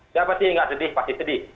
siapa sih yang nggak sedih pasti sedih